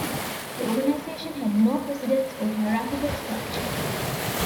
The organization had no presidents or hierarchical structures.